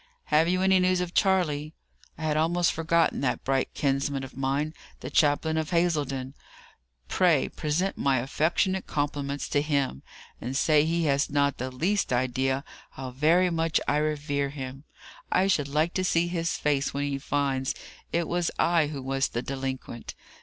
Have you any news of Charley?" "I had almost forgotten that bright kinsman of mine, the chaplain of Hazledon. Pray present my affectionate compliments to him, and say he has not the least idea how very much I revere him. I should like to see his face when he finds it was I who was the delinquent.